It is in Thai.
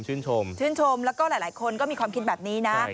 ชื่นชื่นชมแล้วก็หลายคนก็มีความคิดแบบนี้นะ